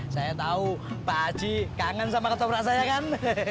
saya tau pak haji kangen sama ketoprak saya kan